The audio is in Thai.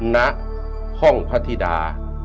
ณห้องพระธิดา